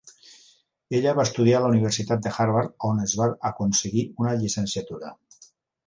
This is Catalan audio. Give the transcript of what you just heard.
Ella va estudiar a la universitat de Harvard on es va aconseguir una llicenciatura.